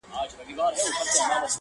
ما خو داسي نه ویل چي خان به نه سې,